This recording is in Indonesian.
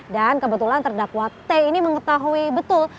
dan kebetulan terdakwate ini mengetahui betul